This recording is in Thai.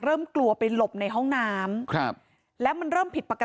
มีชายแปลกหน้า๓คนผ่านมาทำทีเป็นช่วยค่างทาง